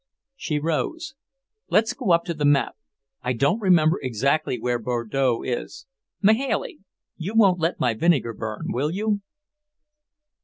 She rose. "Let's go up to the map. I don't remember exactly where Bordeaux is. Mahailey, you won't let my vinegar burn, will you?"